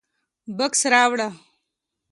_بکس راوړه.